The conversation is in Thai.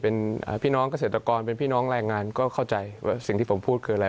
เป็นพี่น้องเกษตรกรเป็นพี่น้องแรงงานก็เข้าใจว่าสิ่งที่ผมพูดคืออะไร